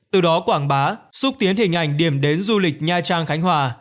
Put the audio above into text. từ đó quảng bá xúc tiến hình ảnh điểm đến du lịch nha trang khánh hòa